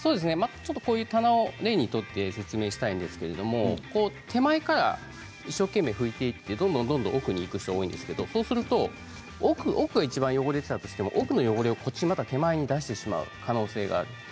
こういう棚を例に取って説明したいんですけれど手前から一生懸命拭いていってどんどん奥にいく人が多いんですけれど奥がいちばん汚れていたとしても奥の汚れをまた手前に出してしまう、可能性がある。